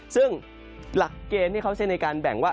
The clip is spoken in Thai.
ซึ่งหลักเกณฑ์ที่เขาใช้ในการแบ่งว่า